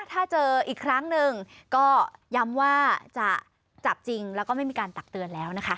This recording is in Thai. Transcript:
ถ้าเจออีกครั้งหนึ่งก็ย้ำว่าจะจับจริงแล้วก็ไม่มีการตักเตือนแล้วนะคะ